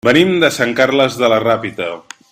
Venim de Sant Carles de la Ràpita.